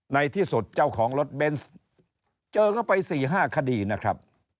ในที่สุดเจ้าของรถเบนส์เจอเข้าไป๔๕คดีนะครับ